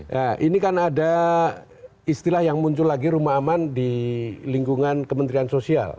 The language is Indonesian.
nah ini kan ada istilah yang muncul lagi rumah aman di lingkungan kementerian sosial